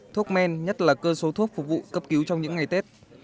thuốc men nhất là cơ số thuốc phục vụ cấp cứu trong những ngày tết